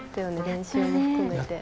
練習も含めて。